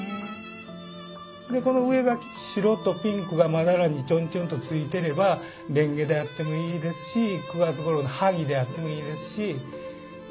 この上が白とピンクがまだらにちょんちょんとついてればれんげであってもいいですし９月ごろの萩であってもいいですし。